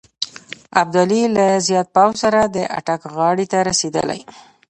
ابدالي له زیات پوځ سره د اټک غاړې ته رسېدلی.